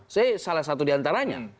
saya salah satu diantaranya